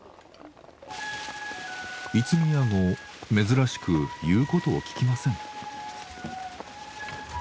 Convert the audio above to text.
五宮号珍しく言うことを聞きません。